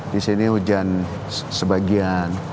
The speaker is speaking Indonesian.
di sini hujan sebagian